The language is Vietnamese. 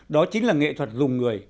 đó chính là nghệ thuật dùng người